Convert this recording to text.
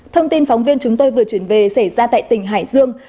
thông tin phóng viên chúng tôi vừa chuyển về xảy ra tại tỉnh hải dương